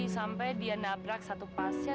sampai dia nabrak satu pasien